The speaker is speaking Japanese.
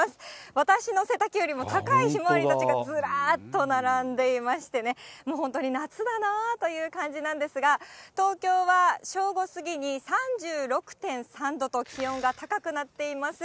私の背丈よりも高いひまわりたちがずらっと並んでいまして、もう本当に夏だなという感じなんですが、東京は正午過ぎに３６．３度と、気温が高くなっています。